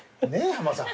浜さん。